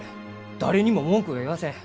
誰にも文句は言わせん。